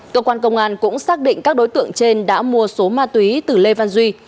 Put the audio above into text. cơ quan công an cũng xác định các đối tượng trên đã mua số ma túy từ lê văn duy